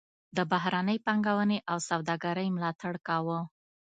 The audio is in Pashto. د بهرنۍ پانګونې او سوداګرۍ ملاتړ کاوه.